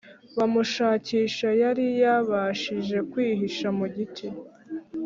bamushakisha Yari yabashije kwihisha mu giti